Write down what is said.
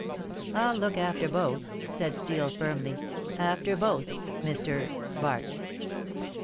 "I'll look after both," said Steel firmly, "after both Mr. Bart."